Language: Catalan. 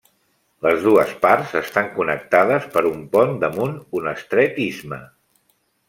Les dues parts estan connectades per un pont damunt un estret istme.